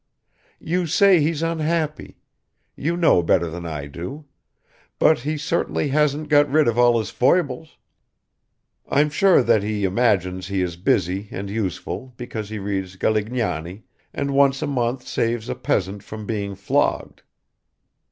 You say he's unhappy; you know better than I do; but he certainly hasn't got rid of all his foibles. I'm sure that he imagines he is busy and useful because he reads Galignani and once a month saves a peasant from being flogged."